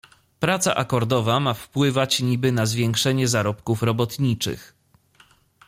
"Praca akordowa ma wpływać niby na zwiększenie zarobków robotniczych."